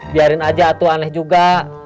biarin aja tuh aneh juga